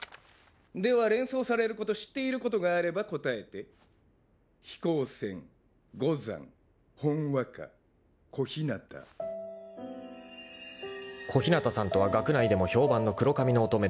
では連想されること知っていることがあれば答えて飛行船五山ほんわか小日向［小日向さんとは学内でも評判の黒髪の乙女である］